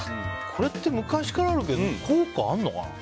これって昔からあるけど効果あるのかな。